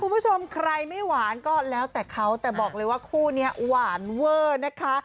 คุณผู้ชมใครไม่หวานก็แล้วแต่เขาแต่บอกเลยว่าคู่นี้หวานเวอร์นะคะ